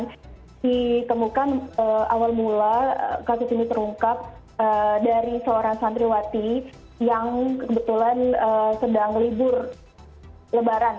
yang ditemukan awal mula kasus ini terungkap dari seorang santriwati yang kebetulan sedang libur lebaran